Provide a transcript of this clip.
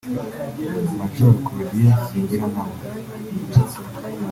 Major Claudien Singirankabo